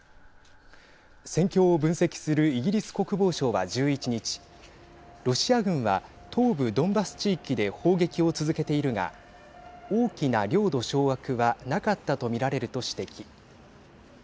戦況を分析するイギリス国防省は、１１日ロシア軍は東部ドンバス地域で砲撃を続けているが大きな領土掌握はなかったと見られると指摘。